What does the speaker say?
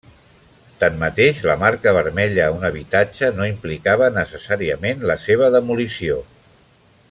Tanmateix, la marca vermella a un habitatge no implicava necessàriament la seva demolició.